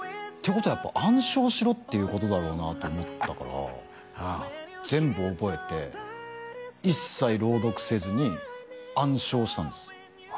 ことはやっぱり「暗唱しろ」っていうことだろうなと思ったから全部覚えて一切朗読せずに暗唱したんですあ